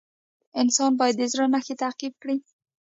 انسان باید د زړه نښې تعقیب کړي.